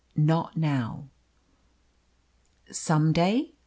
Not now." "Some day?"